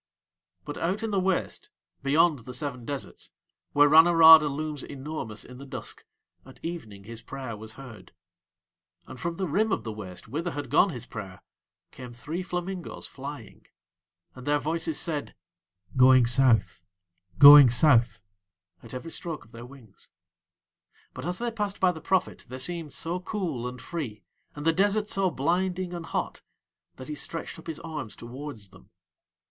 But out in the waste, beyond the seven deserts where Ranorada looms enormous in the dusk, at evening his prayer was heard; and from the rim of the waste whither had gone his prayer, came three flamingoes flying, and their voices said: "Going South, Going South" at every stroke of their wings. But as they passed by the prophet they seemed so cool and free and the desert so blinding and hot that he stretched up his arms towards them.